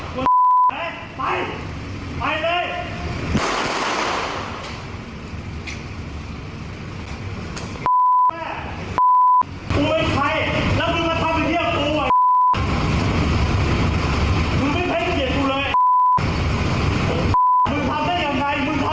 กลับมาแล้วคุยกันด้วยค่ะ